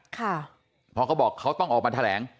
เพราะเขาบอกเขาต้องออกมาแถลง